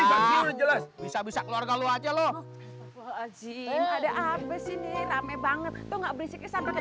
bisa bisa keluarga lu aja loh ada apa sih nih rame banget tuh nggak berisik sampai